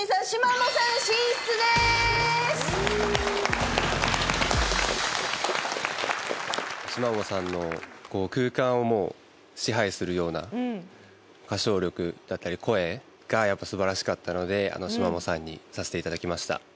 しまもさんの空間をもう支配するような歌唱力だったり声がやっぱりすばらしかったのでしまもさんにさせていただきました。